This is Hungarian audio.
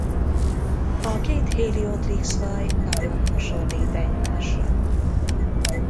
A két Heliothryx-faj nagyon hasonlít egymásra.